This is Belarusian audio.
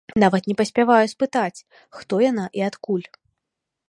Нават не паспяваю спытаць, хто яна і адкуль.